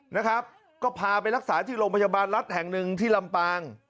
นะครับก็พาไปรักษาที่โรงพยาบาลรัฐแห่งหนึ่งที่ลำปาง